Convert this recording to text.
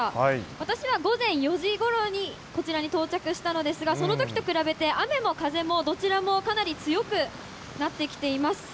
私は午前４時ごろにこちらに到着したのですが、そのときと比べて、雨も風も、どちらもかなり強くなってきています。